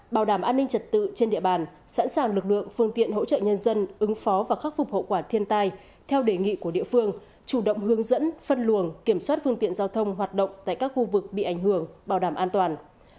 bảo đảm an ninh trật tự trên địa bàn sẵn sàng lực lượng phương tiện hỗ trợ nhân dân ứng phó và khắc phục hậu quả thiên tai theo đề nghị của địa phương chủ động hướng dẫn phân luồng kiểm soát phương tiện giao thông hoạt động tại các khu vực bị ảnh hưởng bảo đảm an toàn